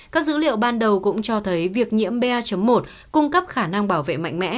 các dữ liệu ban đầu cũng cho thấy việc nhiễm ba một cung cấp khả năng bảo vệ mạnh mẽ